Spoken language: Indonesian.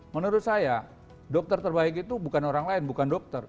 menurut saya dokter terbaik itu bukan orang lain bukan dokter